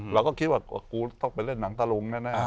เราก็คิดว่ากูต้องไปเล่นหนังตะลุงแน่